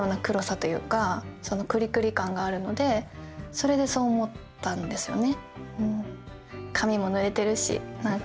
それで、そう思ったんですよね。